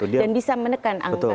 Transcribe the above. dan bisa menekan angka keterasan